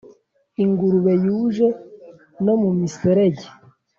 Ingurube yuje no mu miserege,